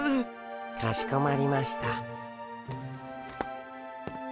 かしこまりました。